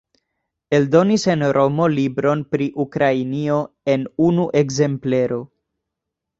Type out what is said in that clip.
Eldonis en Romo libron pri Ukrainio en unu ekzemplero.